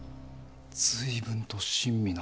随分と親身な。